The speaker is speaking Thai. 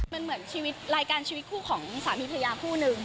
มันเหมือนชีวิตรายการชีวิตคู่ของสามีพระยาคู่นึง